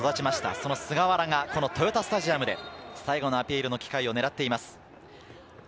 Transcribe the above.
その菅原がこの豊田スタジアムで最後のアピールの機会を狙っています。